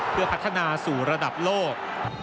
เพื่อพัฒนาสู่ระดับโลก